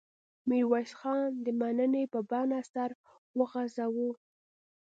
میرویس خان د مننې په بڼه سر وخوځاوه.